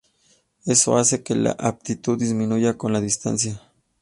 Eso hace que la amplitud disminuya con la distancia.